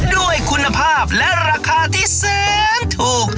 ด้วยคุณภาพและราคาที่แสนถูก